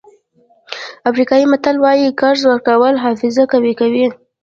افریقایي متل وایي قرض ورکول حافظه قوي کوي.